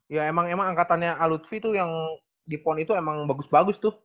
ya emang emang angkatannya alutsi tuh yang di pon itu emang bagus bagus tuh